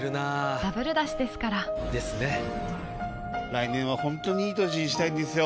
来年は本当にいい年にしたいんですよ。